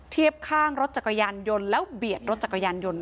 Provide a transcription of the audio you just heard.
เทียบข้างรถจักรยานยนต์แล้วเบียดรถจักรยานยนต์